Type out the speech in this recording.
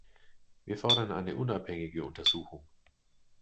Wir fordern eine unabhängige Untersuchung.